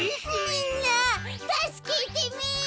みんなたすけてめえ！